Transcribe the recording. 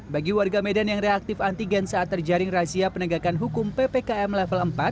bagi warga medan yang reaktif antigen saat terjaring razia penegakan hukum ppkm level empat